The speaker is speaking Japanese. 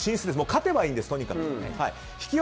勝てばいいんです、とにかく。